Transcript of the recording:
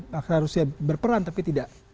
seharusnya berperan tapi tidak